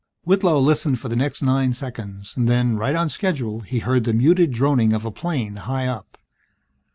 Whitlow listened, for the next nine seconds, then, right on schedule, he heard the muted droning of a plane, high up.